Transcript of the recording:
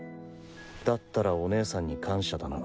だったらお姉さんに感謝だな。